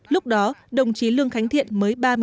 lúc đó đồng chí lường khánh thiện mới ba mươi